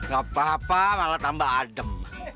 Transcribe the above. gapapa malah tambah adem